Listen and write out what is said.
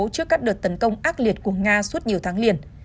trước các đợt tấn công ác liệt của nga suốt nhiều tháng liền